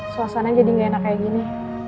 suasana jadi nggak enak kayak gini